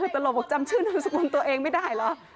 ตลกบอกจำชื่อนามสกุลตัวเองไม่ได้เหรอ